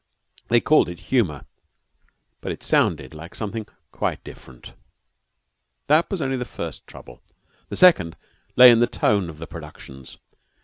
They called it humor, but it sounded like something quite different. That was only the first trouble. The second lay in the tone of the productions.